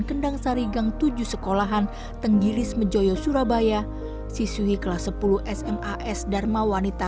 kendang sari gang tujuh sekolahan tenggilis mejoyo surabaya siswi kelas sepuluh sma s dharma wanita